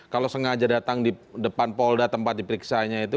kalau sengaja datang di depan polda tempat diperiksanya itu